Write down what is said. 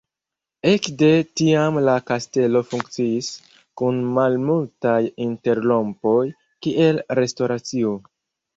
Ekde tiam la kastelo funkciis, kun malmultaj interrompoj, kiel restoracio.